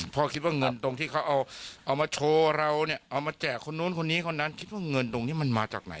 เพราะไม่มีลูตถ้าเจ้าให้เราดูสิ่งสงสัยเพิ่มประมาณนี้นะ